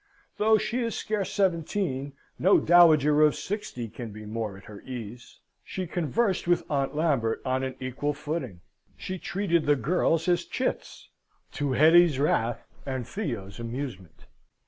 Though she is scarce seventeen, no dowager of sixty can be more at her ease. She conversed with Aunt Lambert on an equal footing; she treated the girls as chits to Hetty's wrath and Theo's amusement.